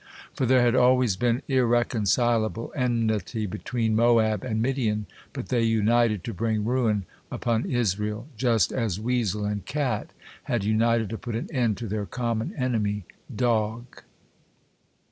For there had always been irreconcilable enmity between Moab and Midian, but they united to bring ruin upon Israel, just as Weasel and Cat had united to put an end to their common enemy Dog.